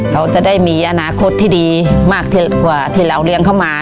เราจะได้มีอนาคตที่ดีมากกว่าที่เราเลี้ยงเข้ามา